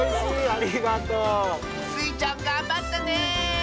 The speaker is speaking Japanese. ありがとう！スイちゃんがんばったね！